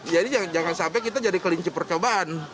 jadi jangan sampai kita jadi kelinci percobaan